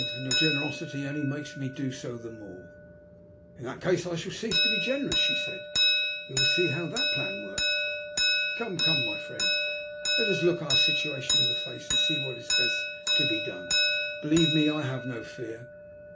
And your generosity only makes me do so the more." In that case I shall cease to be generous," she said. We will see how that plan works. Come, come, my friend, let us look our situation in the face and see what is best to be done. Believe me, I have no fear.